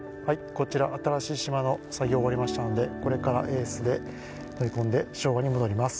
こちら新しい島の作業終わりましたのでこれから乗り込んで昭和に戻ります。